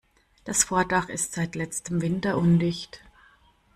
Das Vordach ist seit letztem Winter undicht.